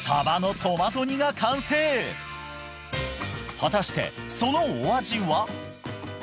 果たしてそのお味は？